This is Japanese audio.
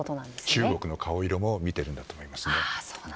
中国の顔色も見ているんだと思います。